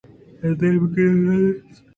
آ طبیب ئِےکرّا علاج ءَ شُت